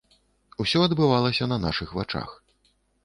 Усё адбывалася на нашых вачах.